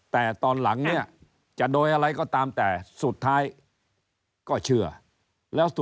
แต่ตอนหลังเนี่ยจะโดยอะไรก็ตามแต่สุดท้ายก็เชื่อแล้วตัว